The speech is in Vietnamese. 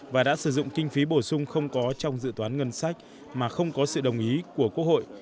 và đã sử dụng kinh phí bổ sung không có trong dự toán ngân sách mà không có sự đồng ý của quốc hội